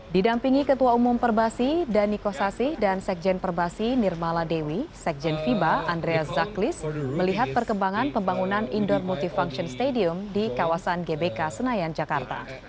didampingi ketua umum perbasi dhani kosasi dan sekjen perbasi nirmala dewi sekjen fiba andreas zaklis melihat perkembangan pembangunan indoor multifunction stadium di kawasan gbk senayan jakarta